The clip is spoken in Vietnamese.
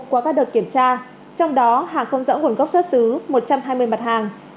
qua các đợt kiểm tra trong đó hàng không rõ nguồn gốc xuất xứ một trăm hai mươi mặt hàng